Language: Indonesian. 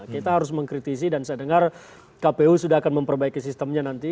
kita harus mengkritisi dan saya dengar kpu sudah akan memperbaiki sistemnya nanti